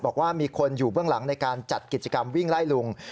บอกว่ามีคนอยู่เบื้องหลังในการจัดกิจกรรมวิ่งไล่ลุง